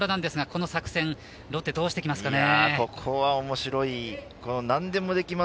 この作戦にロッテはどうしますかね。